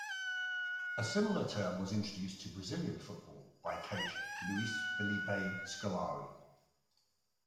A similar term was introduced to Brazilian football by coach Luis Felipe Scolari.